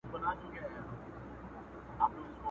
o هر څوک پر خپله ټيکۍ اور اړوي!